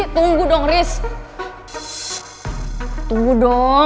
rizky tunggu dong rizky tunggu dong